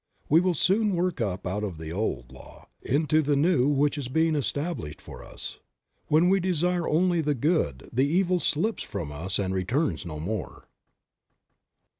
We will soon work up out of the old law into the new which is being established for us. When we desire only the good the evil slips from us and returns no more.